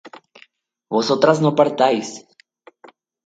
vosotras no partáis